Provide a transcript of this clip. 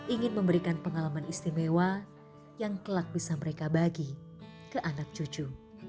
ingin memberikan pengalaman istimewa yang kelak bisa mereka bagi ke anak cucu